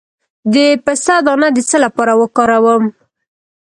د پسته دانه د څه لپاره وکاروم؟